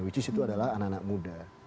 which is itu adalah anak anak muda